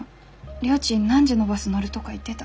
りょーちん何時のバス乗るとか言ってた？